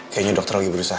kayaknya dokter lagi berusaha